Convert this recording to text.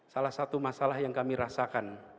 salah satu masalah yang kami rasakan